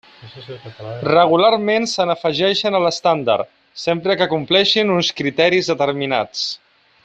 Regularment se n'afegeixen a l'estàndard, sempre que compleixin uns criteris determinats.